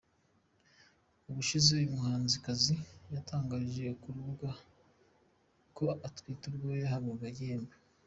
Ubushize uyu muhanzikazi yatangarije ku kabuga ko atwite ubwo yahabwaga igihembo.